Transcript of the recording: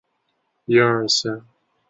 越南北部也有。